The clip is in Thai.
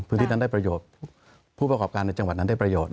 พื้นที่นั้นได้ประโยชน์ผู้ประกอบการในจังหวัดนั้นได้ประโยชน์